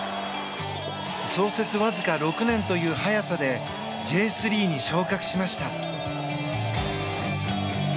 創設わずか６年という早さでＪ３に昇格しました。